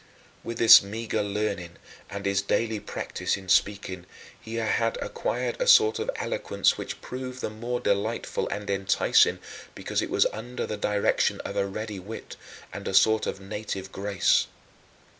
With this meager learning and his daily practice in speaking, he had acquired a sort of eloquence which proved the more delightful and enticing because it was under the direction of a ready wit and a sort of native grace.